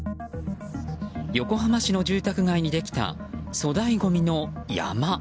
横浜市の住宅街にできた粗大ごみの山。